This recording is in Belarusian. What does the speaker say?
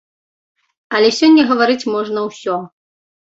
Але сёння гаварыць можна ўсё.